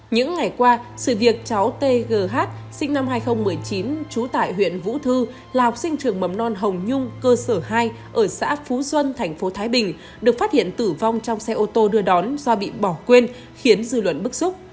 những ngày qua sự việc cháu tgh sinh năm hai nghìn một mươi chín trú tại huyện vũ thư là học sinh trường mầm non hồng nhung cơ sở hai ở xã phú xuân tp thái bình được phát hiện tử vong trong xe ô tô đưa đón do bị bỏ quên khiến dư luận bức xúc